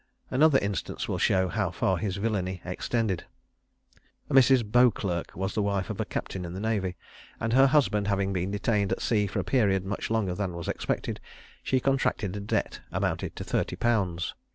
Another instance will show how far his villany extended. A Mrs. Beauclerc was the wife of a captain in the navy, and her husband having been detained at sea for a period much longer than was expected, she contracted a debt amounting to thirty pounds.